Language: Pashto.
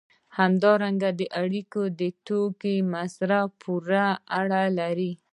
همدارنګه دا اړیکې د توکو په مصرف پورې اړه لري.